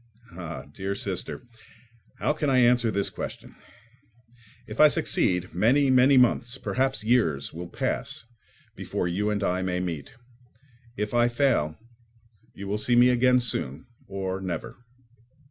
Ah, dear sister, how can I answer this question? If I succeed, many, many months, perhaps years, will pass before you and I may meet. If I fail, you will see me again soon, or never.